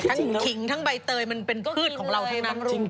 ทั้งขิงทั้งใบเตยมันเป็นพืชของเราให้น้ำรุมไป